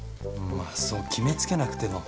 まあそう決めつけなくても。